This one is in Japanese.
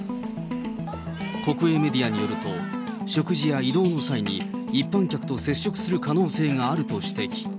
国営メディアによると、食事や移動の際に、一般客と接触する可能性があると指摘。